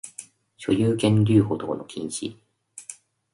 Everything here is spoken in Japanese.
所有権留保等の禁止